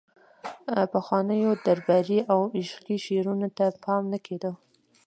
پخوانیو درباري او عشقي شعرونو ته پام نه کیده